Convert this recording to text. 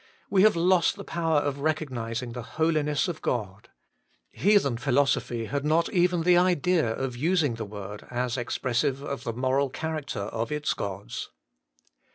We have lost the power of recognising the Holiness of God : heathen philosophy had not even the idea of using the word as expressive of the moral character of its gods.